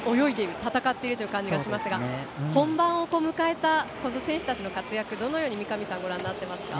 戦っていくという感じがしますが本番を迎えたこの選手たちの活躍をどのようにご覧になってますか。